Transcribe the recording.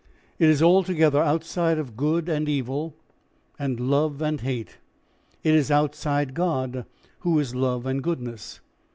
It is altogether outside good and evil and love and hate. It is outside God, who is love and goodness.